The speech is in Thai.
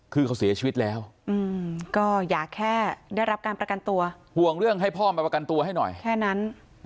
คือเขาเสียชีวิตแล้วก็อย่าแค่ได้รับการประกันตัวห่วงเรื่องให้พ่อมาประกันตัวให้หน่อยแค่นั้น